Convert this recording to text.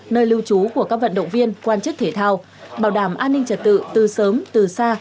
nơi lưu trú của các vận động viên quan chức thể thao bảo đảm an ninh trật tự từ sớm từ xa